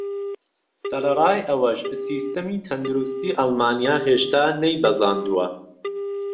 سەرەڕای ئەوەش، سیستەمی تەندروستی ئەڵمانیا هێشتا نەیبەزاندووە.